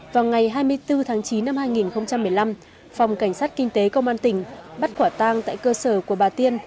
vào ngày hai mươi bốn tháng chín năm hai nghìn một mươi năm phòng cảnh sát kinh tế công an tỉnh bắt quả tang tại cơ sở của bà tiên